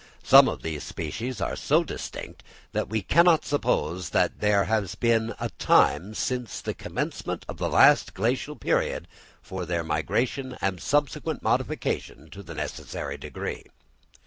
Some of these species are so distinct, that we cannot suppose that there has been time since the commencement of the last Glacial period for their migration and subsequent modification to the necessary degree.